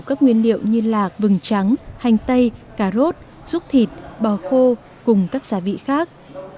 các nguyên liệu như lạc vừng trắng hành tây cà rốt rút thịt bò khô cùng các gia vị khác